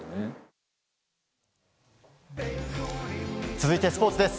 続いて、スポーツです。